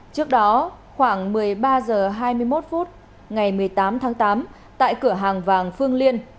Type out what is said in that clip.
trước đó khoảng một mươi ba h hai mươi một phút ngày một mươi tám tháng tám tại cửa hàng vàng phương liên